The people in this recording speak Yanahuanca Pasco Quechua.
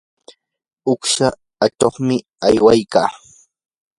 uqsha achuqmi aywaykaa.